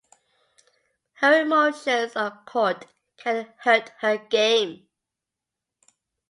Her emotions on court can hurt her game.